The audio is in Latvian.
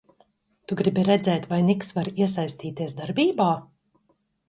Tu gribi redzēt, vai Niks var iesaistīties darbībā?